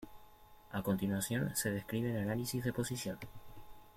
A continuación se describe el análisis de posición.